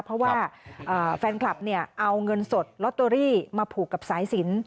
เพราะว่าแฟนคลับเอาเงินสดลอตโตรี่มาผูกกับสายศีล